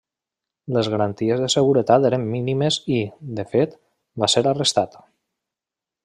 Les garanties de seguretat eren mínimes i, de fet, va ser arrestat.